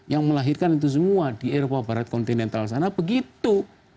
yang melahirkan itu semua di eropa barat kontinental sana begitu